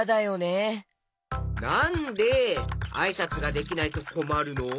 なんであいさつができないとこまるの？